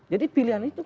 jadi pilihan itu